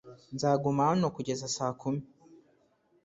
Nzaguma hano kugeza saa kumi .